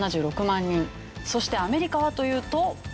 そしてアメリカはというと。